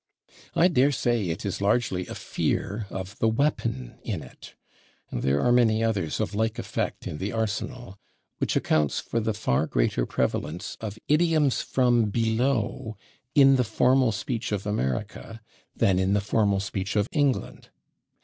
I daresay it is largely a fear of the weapon in it and there are many others of like effect in the arsenal which accounts for the far greater prevalence of idioms from below in the formal speech of America than in the formal speech of England.